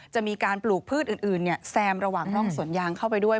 จะมีการปลูกพืชอื่นแซมระหว่างร่องสวนยางเข้าไปด้วย